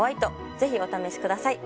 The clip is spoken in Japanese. ぜひお試しください。